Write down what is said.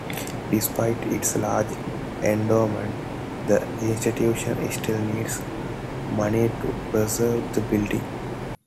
Despite its large endowment, the institution still needs money to preserve the building.